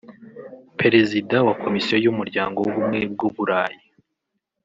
Perezida wa Komisiyo y’Umuryango w’Ubumwe bw’u Burayi